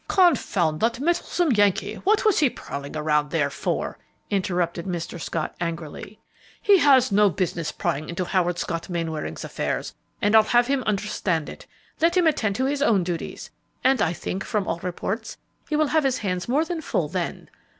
"Confound that meddlesome Yankee! what was he prowling around there for?" interrupted Mr. Scott, angrily. "He has no business prying into Harold Scott Mainwaring's affairs, and I'll have him understand it; let him attend to his own duties, and I think, from all reports, he will have his hands more than full then.